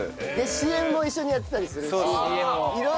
ＣＭも一緒にやってたりするし。